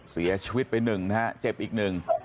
เสียชีวิตไปหนึ่งนะฮะเจ็บอีกหนึ่ง